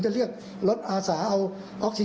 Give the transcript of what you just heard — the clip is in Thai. ไปลุมก็ต้องจับแยกมา